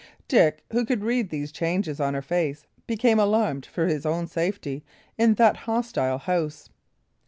Dick, who could read these changes on her face, became alarmed for his own safety in that hostile house.